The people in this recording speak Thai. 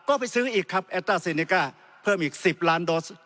ก็ไปซื้ออีกครับแอตต้าเซเนก้าเพิ่มอีก๑๐ล้านโดส